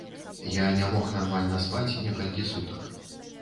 Я не мог нармальна спаць некалькі сутак.